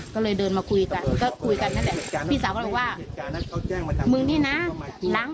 ก็เลยเดินมาคุยกันคุยกันน่ะแด่